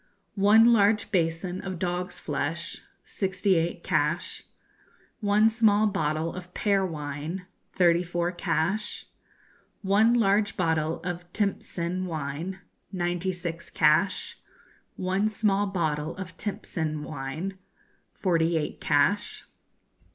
One large basin of dog's flesh sixty eight cash. One small bottle of pear wine thirty four cash. One large bottle of timtsin wine ninety six cash. One small bottle of timtsin wine forty eight cash.